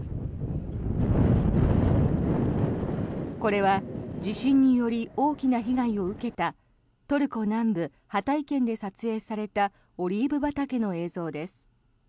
これは地震により大きな被害を受けたトルコ南部ハタイ県で撮影されたオリーブ畑の映像です。